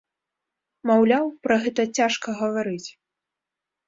Маўляў, пра гэта цяжка гаварыць.